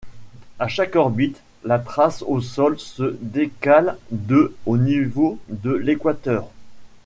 À chaque orbite, la trace au sol se décale de au niveau de l'équateur.